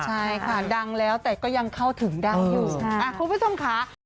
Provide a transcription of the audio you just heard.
ใช่ค่ะดังแล้วแต่ก็ยังเข้าถึงได้อยู่ใช่ไหมคุณผู้ชมค่ะ